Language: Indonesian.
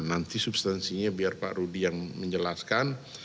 nanti substansinya biar pak rudi yang menjelaskan